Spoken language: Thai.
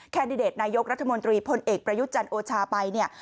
แดดิเดตนายกรัฐมนตรีพลเอกประยุทธ์จันทร์โอชาไปเนี่ย